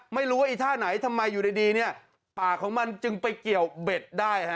ไม่รู้ว่าไอ้ท่าไหนทำไมอยู่ดีเนี่ยปากของมันจึงไปเกี่ยวเบ็ดได้ฮะ